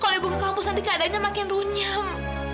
kalau ibu ke kampus nanti keadaannya makin runyam